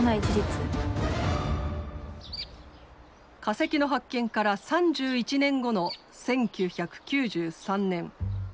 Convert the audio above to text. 化石の発見から３１年後の１９９３年。